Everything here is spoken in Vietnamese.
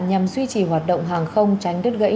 nhằm duy trì hoạt động hàng không tránh đứt gãy